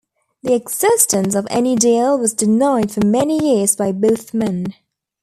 The existence of any deal was denied for many years by both men.